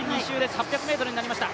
８００ｍになりました。